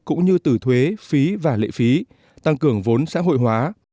cũng như từ thuế phí và lệ phí tăng cường vốn xã hội hóa